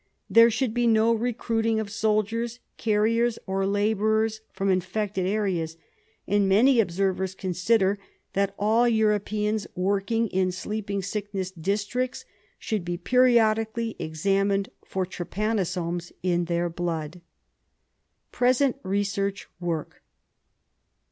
There should be no recruiting of soldiers, carriers or labourers from infected areas, and many observers consider 50 RESEARCH DEFENCE SOCIETY that all Europeans working in sleeping sickness districts should be periodically examined for trypanosomes in their blood. Present Research Work.